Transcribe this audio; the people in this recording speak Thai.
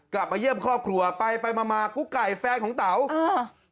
กลับมาเยี่ยมครอบครัวไปไปมามากุ๊กไก่แฟนของเต๋าอ่า